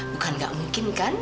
bukan gak mungkin kan